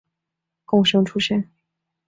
贡生出身。